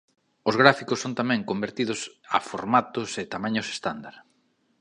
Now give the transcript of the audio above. Os gráficos son tamén convertidos a formatos e tamaños estándar.